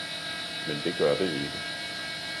men det gør det ikke.